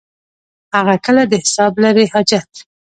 هغه کله د حساب لري حاجت.